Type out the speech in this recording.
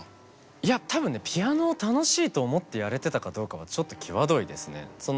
いや多分ねピアノを楽しいと思ってやれてたかどうかはちょっと際どいですね。